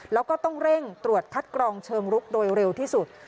แล้วก็ต้องเร่งตรวจคัดกรองเชิงรุกโดยเร็วที่สุด